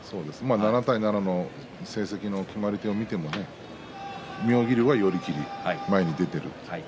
７対７の成績の決まり手を見てもね妙義龍は寄り切り前に出ている。